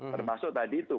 termasuk tadi itu